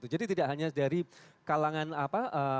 jadi tidak hanya dari kalangan apa